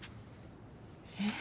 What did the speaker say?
えっ？